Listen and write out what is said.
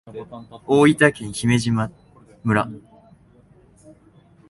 大分県姫島村